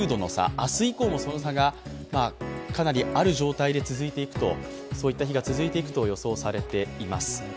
明日以降もその差がかなりある状態で続いていくと、そういった日が続いていくと予想されています。